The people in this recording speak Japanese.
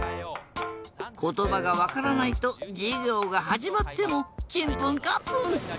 ことばがわからないとじゅぎょうがはじまってもチンプンカンプン。